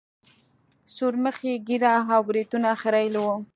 سورمخي ږيره او برېتونه خرييلي وو.